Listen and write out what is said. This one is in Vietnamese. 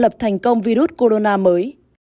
phân lập thành công virus corona mới